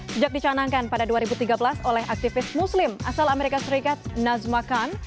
sejak dicanangkan pada dua ribu tiga belas oleh aktivis muslim asal amerika serikat nazma khan